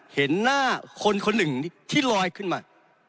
เห็นหน้าคนคนหนึ่งที่ลอยขึ้นมา